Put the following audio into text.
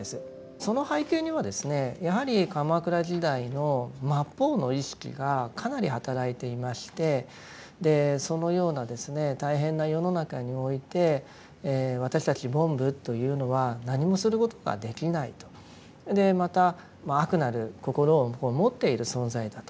その背景にはですねやはり鎌倉時代の末法の意識がかなり働いていましてでそのような大変な世の中において私たち凡夫というのは何もすることができないと。でまた悪なる心を持っている存在だと。